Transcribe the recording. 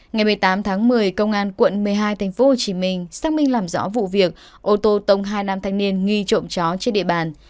ngày một mươi tám tháng một mươi công an quận một mươi hai tp hcm xác minh làm rõ vụ việc ô tô tông hai nam thanh niên nghi trộm chó trên địa bàn